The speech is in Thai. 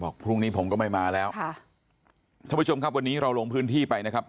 พรุ่งนี้ผมก็ไม่มาแล้วค่ะท่านผู้ชมครับวันนี้เราลงพื้นที่ไปนะครับ